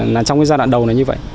là trong cái giai đoạn đầu này như vậy